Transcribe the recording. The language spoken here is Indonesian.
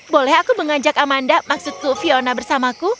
boleh aku mengajak amanda maksudku fiona bersamaku